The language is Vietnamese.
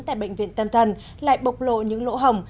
tại bệnh viện tâm thần lại bộc lộ những lỗ hồng